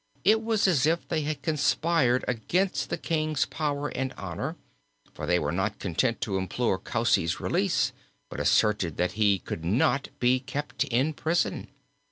It was as if they had conspired against the king's power and honour; for they were not content to implore Coucy's release, but asserted that he could not be kept in prison.